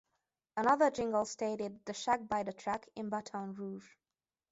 Another jingle stated "The Shack by the Track in Baton Rouge".